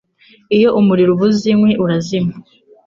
Iyo umuriro ubuze inkwi urazima